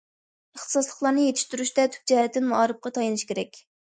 ئىختىساسلىقلارنى يېتىشتۈرۈشتە تۈپ جەھەتتىن مائارىپقا تايىنىش كېرەك.